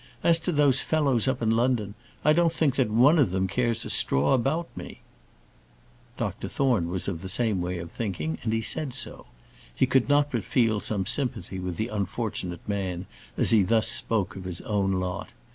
As to those fellows up in London, I don't think that one of them cares a straw about me." Dr Thorne was of the same way of thinking, and he said so. He could not but feel some sympathy with the unfortunate man as he thus spoke of his own lot.